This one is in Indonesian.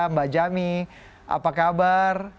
mbak jami apa kabar